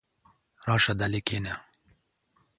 راشه دلې کښېنه!